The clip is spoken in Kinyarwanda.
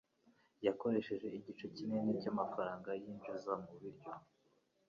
Yakoresheje igice kinini cyamafaranga yinjiza mubiryo.